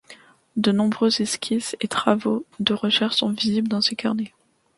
De nombreuses esquisses et travaux de recherches sont visibles dans ses carnets.